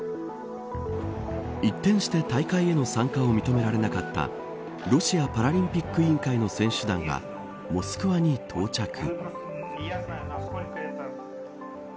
一転して、大会への参加を認められなかったロシアパラリンピック委員会の選手団がモスクワに到着。